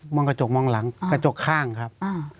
องกระจกมองหลังกระจกข้างครับ